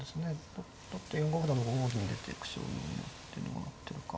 取って取って４五歩だの５五銀出てく将棋にってのが合ってるか。